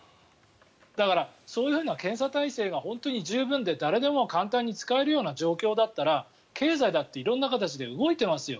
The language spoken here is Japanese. だから、そういう検査体制が本当に十分で誰でも簡単に使えるような状況だったら経済だって色んな形で動いてますよ。